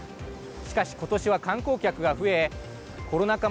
しかし、ことしは観光客が増えコロナ禍